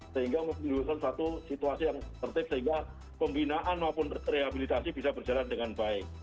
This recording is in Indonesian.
sehingga menimbulkan satu situasi yang tertib sehingga pembinaan maupun rehabilitasi bisa berjalan dengan baik